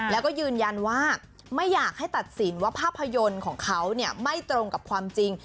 แล้วก็ยืนยันว่าไม่อยากให้ตัดสินว่าภาพยนตร์ของเขาไม่ตรงกับความจริง